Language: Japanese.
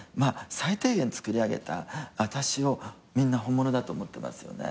最低限つくり上げた私をみんな本物だと思ってますよね。